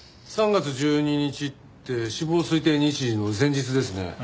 ３月１２日って死亡推定日時の前日ですね。